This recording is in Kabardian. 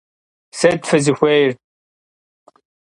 Sıt fızıxuêyr?